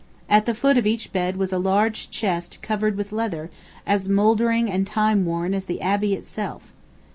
At the foot of each bed was a large chest covered with leather, as mouldering and time worn as the Abbey itself.